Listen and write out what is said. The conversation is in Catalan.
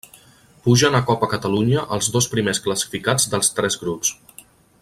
Pugen a Copa Catalunya els dos primers classificats dels tres grups.